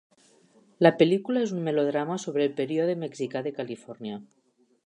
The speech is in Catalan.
La pel·lícula és un melodrama sobre el període mexicà de Califòrnia.